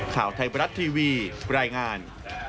ข่าวไทยบรัฐทีวีรายงาน